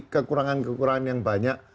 kekurangan kekurangan yang banyak